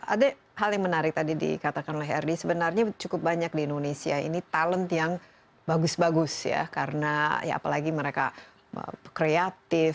ada hal yang menarik tadi dikatakan oleh herdy sebenarnya cukup banyak di indonesia ini talent yang bagus bagus ya karena ya apalagi mereka kreatif